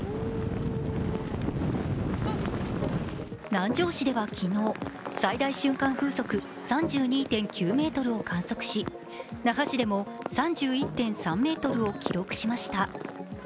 南城市では昨日、最大瞬間風速３２．９メートルを観測し那覇市でも３１．３メートルを記録しました。